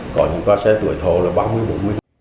có những toa xe tuổi thầu là ba mươi bốn mươi